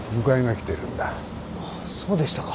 そうでしたか。